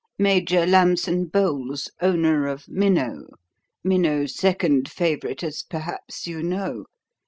Major Lambson Bowles, owner of Minnow. Minnow's second favourite, as perhaps you know.